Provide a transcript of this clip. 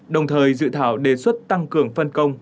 đồng thời dự thảo đề xuất tăng cường phân công